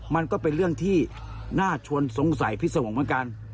มันก็เป็นเรื่องที่น่าชวนสงสัยพิษวงศ์เหมือนกัน